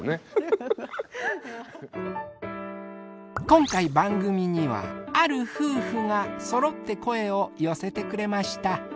今回番組にはある夫婦がそろって声を寄せてくれました。